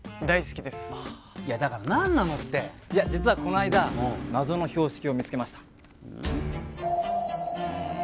大好きですだから何なのっていや実はこの間謎の標識を見つけましたうん